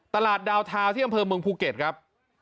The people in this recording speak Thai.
ดาวทาวน์ที่อำเภอเมืองภูเก็ตครับ